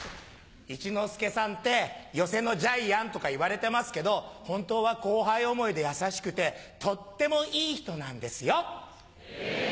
一之輔さんって寄席のジャイアンとかいわれてますけど本当は後輩思いで優しくてとってもいい人なんですよ。え！